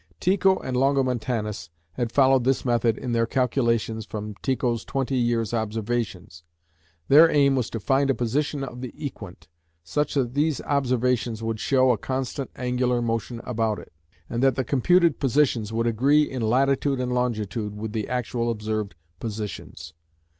Tycho and Longomontanus had followed this method in their calculations from Tycho's twenty years' observations. Their aim was to find a position of the "equant," such that these observations would show a constant angular motion about it; and that the computed positions would agree in latitude and longitude with the actual observed positions.